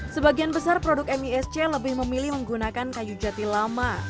sebagian besar produk misc lebih memilih menggunakan kayu jati lama